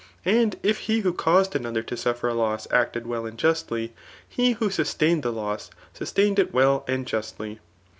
And if he who caused another to suffer a Iocs acted well and justly, he who sustained the loss, sus tained it well and justly.